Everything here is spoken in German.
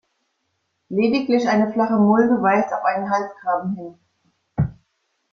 Lediglich eine flache Mulde weist auf einen Halsgraben hin.